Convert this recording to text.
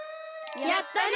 やったね！